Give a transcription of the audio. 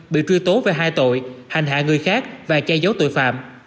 bị truy tố về hai tội hành hạ người khác và che giấu tội phạm